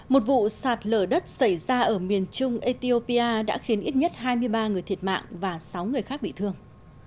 một vụ sạt lở đất xảy ra ở miền trung ethiopia đã khiến ít nhất hai mươi ba người thiệt mạng và sáu người khác bị thương